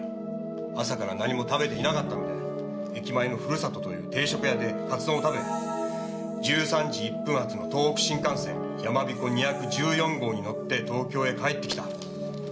朝から何も食べていなかったので駅前のふるさとという定食屋でカツ丼を食べ１３時１分発の東北新幹線やまびこ２１４号に乗って東京へ帰ってきた。